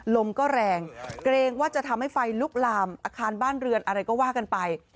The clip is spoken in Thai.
ลมก็แรงเกรงว่าจะทำให้ไฟลุกลามอาคารบ้านเรือนอะไรก็ว่ากันไป